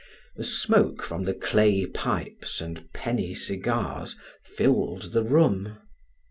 The smoke from the clay pipes and penny cigars filled the room.